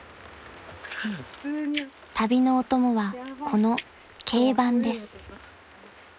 ［旅のお供はこの軽バンです］